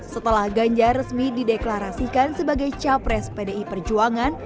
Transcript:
setelah ganjar resmi dideklarasikan sebagai capres pdi perjuangan